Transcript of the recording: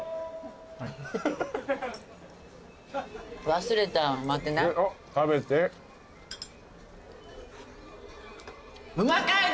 忘れた待ってね。